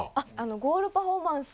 ゴールパフォーマンス。